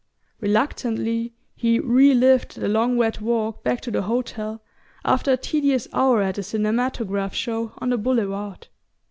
Reluctantly he relived the long wet walk back to the hotel, after a tedious hour at a cinematograph show on the Boulevard.